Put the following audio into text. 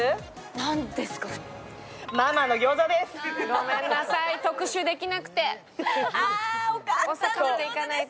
ごめんなさい、特集できなくて。